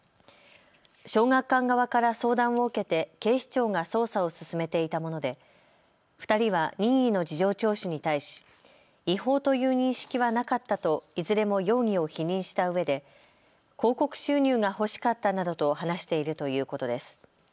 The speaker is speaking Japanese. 小学館側から相談を受けて警視庁が捜査を進めていたもので２人は任意の事情聴取に対し違法という認識はなかったといずれも容疑を否認したうえで広告収入が欲しかったなどと話しているということです。